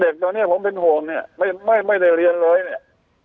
เด็กตอนนี้ผมเป็นโหมเนี่ยไม่ได้เรียนเลยเนี่ย